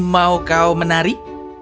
mau kau menari